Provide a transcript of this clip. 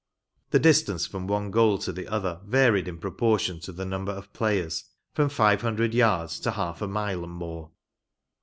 The distance from one goal to the other varied in proportion to the number of players, from five hundred yards to half a mile and more.